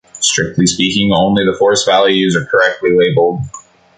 Strictly speaking, only the force values are correctly labeled.